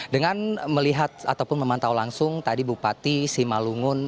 dengan melihat ataupun memantau langsung tadi bupati simalungun